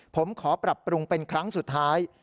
ผมขอปรับปรุงเป็นครั้งสุดท้าย